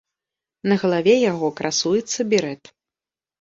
На галаве яго красуецца берэт.